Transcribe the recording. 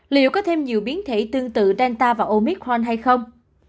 liệu có thêm nhiều biến thể tương tự delta và omicron hay không